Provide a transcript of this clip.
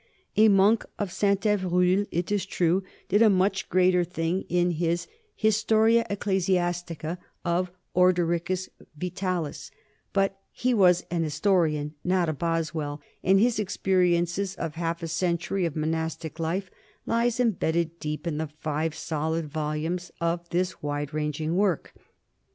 A monk of Saint fivroul, it is true, did a much greater thing in the 174 NORMANS IN EUROPEAN HISTORY Historic, Ecclesiastica of Ordericus Vitalis, but he was an historian, not a Boswell, and his experience of half a century of monastic life lies embedded deep in the five solid volumes of this wide ranging work.